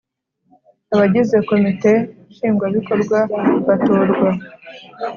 Abagize Komite Nshingwabikorwa batorwa